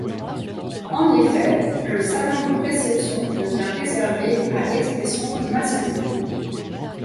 En effet, le salon de réception devient réservé à l'expression masculine.